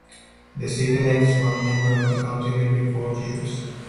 The seat elects one member of the council every four years.